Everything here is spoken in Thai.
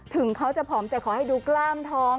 ถึงเขาจะผอมแต่ขอให้ดูกล้ามท้อง